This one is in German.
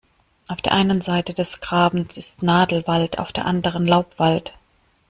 Auf der einen Seite des Grabens ist Nadelwald, auf der anderen Laubwald.